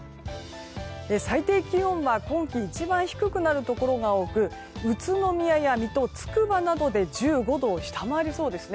最低気温は今季一番低くなるところが多く宇都宮や水戸、つくばなどで１５度を下回りそうです。